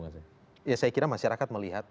saya kira masyarakat melihat